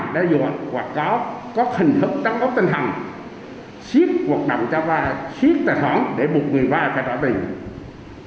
đa dụng hoặc có hình hức tăng ốc tân hẳn xiếp tài thoản để buộc người vai phải trỏ tình